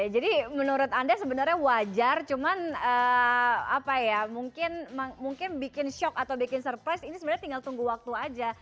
jadi menurut anda sebenarnya wajar cuman mungkin bikin shock atau bikin surprise ini sebenarnya tinggal tunggu waktu aja